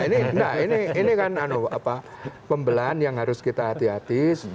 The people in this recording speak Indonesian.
nah ini kan pembelahan yang harus kita hati hati